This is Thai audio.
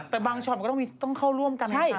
แต่บางช็อตมันก็ต้องเข้าร่วมกัน